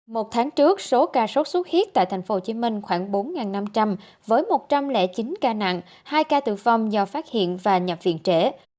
một tháng trước số ca sốt xuất huyết tại tp hcm khoảng bốn năm trăm linh với một trăm linh chín ca nặng hai ca tử vong do phát hiện và nhập viện trẻ